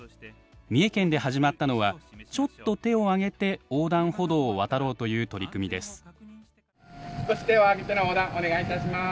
三重県で始まったのはちょっと手を上げて横断歩道を渡ろうという取り組みです。